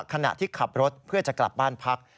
ขณะที่ขับรถเพื่อจะกลับบ้านพัก